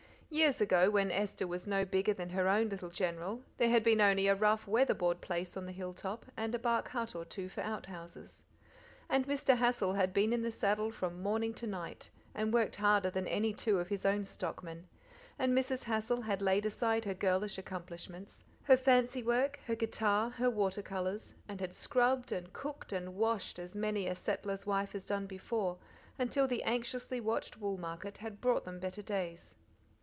Years ago, when Esther was no bigger than her own little General, there had been only a rough, red weather board place on the hill top, and a bark but or two for outhouses. And Mr. Hassal had been in the saddle from morning to night, and worked harder than any two of his own stockmen, and Mrs. Hassal had laid aside her girlish accomplishments, her fancy work, her guitar, her water colours, and had scrubbed and cooked and washed as many a settler's wife has done before, until the anxiously watched wool market had brought them better days.